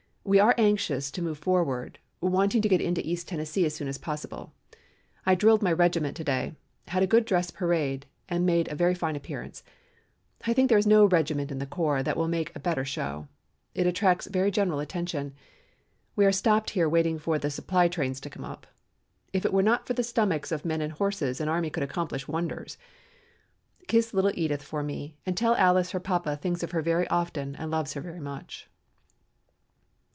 We are anxious to move forward, wanting to get into East Tennessee as soon as possible. I drilled my regiment to day, had a good dress parade, and made a very fine appearance. I think there is no regiment in the corps that will make a better show. It attracts very general attention. We are stopped here waiting for the supply trains to come up. If it were not for the stomachs of men and horses an army could accomplish wonders. Kiss little Edith for me and tell Alice her papa thinks of her very often and loves her very much."